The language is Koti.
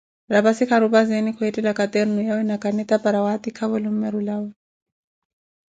Rapassi kharupazeni khweethela caternu na kaneta para watikavo lummeru lawe.